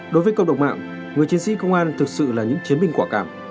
đối với cộng đồng mạng người chiến sĩ công an thực sự là những chiến binh quả cảm